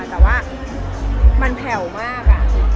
แต่ว่ามันแผ่วมาก